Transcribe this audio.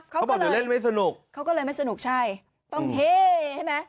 เขาบอกเดี๋ยวเล่นไม่สนุกเขาก็เลยไม่สนุกใช่ต้องเฮ่ใช่ไหม